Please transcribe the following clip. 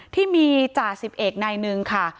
ที่มีจ่าสิบเอกในนึงค่ะ